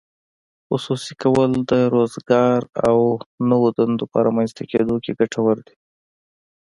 خصوصي کول د روزګار او نوو دندو په رامینځته کیدو کې ګټور دي.